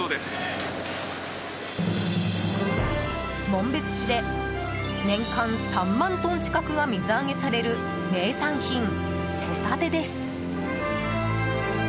紋別市で年間３万トン近くが水揚げされる名産品、ホタテです。